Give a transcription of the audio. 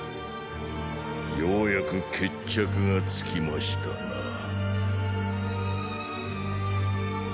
ようやく決着がつきましたなぁ。